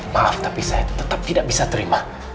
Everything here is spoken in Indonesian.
maaf tapi saya tetap tidak bisa terima